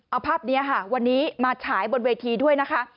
เอาภาพนี้ค่ะวันนี้มาฉายบนเวทีด้วยนะคะ